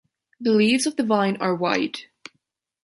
The leaves of the vine are wide.